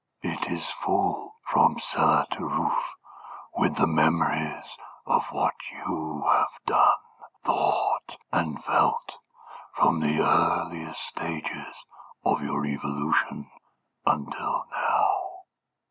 It is full from cellar to roof with the memories of what you have done, thought, and felt from the earliest stages of your evolution until now.